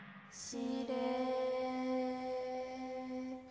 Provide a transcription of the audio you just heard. しれ。